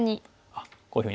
あっこういうふうにね。